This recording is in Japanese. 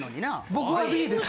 僕はＢです。